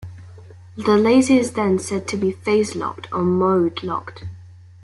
The laser is then said to be 'phase-locked' or 'mode-locked'.